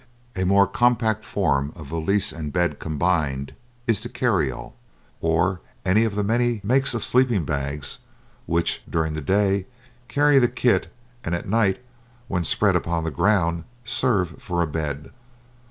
A more compact form of valise and bed combined is the "carry all," or any of the many makes of sleeping bags, which during the day carry the kit and at night when spread upon the ground serve for a bed.